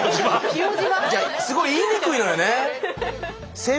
すごい言いにくいのよね。